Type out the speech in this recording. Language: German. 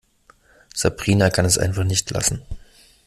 Sabrina kann es einfach nicht lassen.